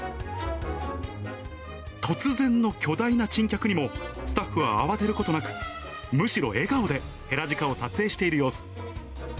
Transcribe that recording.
突然の巨大な珍客にも、スタッフは慌てることなく、むしろ笑顔でヘラジカを撮影している様子。